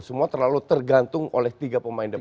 semua terlalu tergantung oleh tiga pemain depan